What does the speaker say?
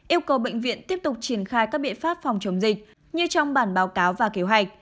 yêu cầu bệnh viện tiếp tục triển khai các biện pháp phòng chống dịch như trong bản báo cáo và kế hoạch